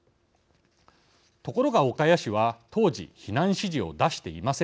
ところが岡谷市は当時避難指示を出していませんでした。